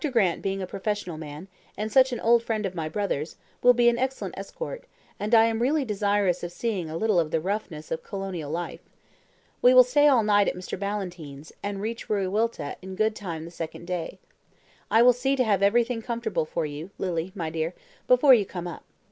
Grant being a professional man, and such an old friend of my brother's, will be an excellent escort, and I am really desirous of seeing a little of the roughness of colonial life. We will stay all night at Mr. Ballantyne's, and reach Wiriwilta in good time the second day. I will see to have everything comfortable for you, Lily, my dear, before you come up.